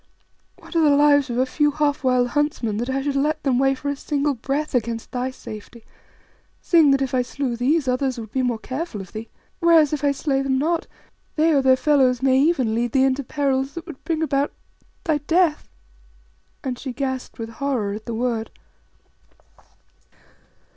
What are the lives of a few half wild huntsmen that I should let them weigh for a single breath against thy safety, seeing that if I slew these, others would be more careful of thee? Whereas if I slay them not, they or their fellows may even lead thee into perils that would bring about thy death," and she gasped with horror at the word.